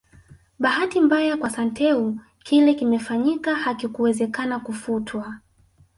Bahati mbaya kwa Santeu kile kimefanyika hakikuwezekana kufutwa